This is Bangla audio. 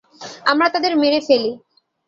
আমরা তাদের মেরে ফেলি।